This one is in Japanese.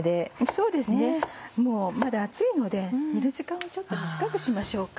そうですねまだ暑いので煮る時間をちょっと短くしましょうか。